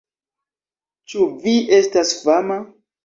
Ĉu mi estas fama?